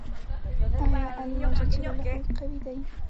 آیا الله قوی دی؟